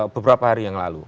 beberapa hari yang lalu